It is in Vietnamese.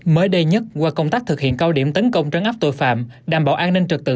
mới đây nhất qua công tác thực hiện cao điểm tấn công trấn áp tội phạm đảm bảo an ninh trật tự